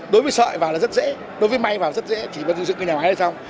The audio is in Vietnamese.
đối với sợi vào là rất dễ đối với may vào là rất dễ chỉ phải dựng cái nhà máy là xong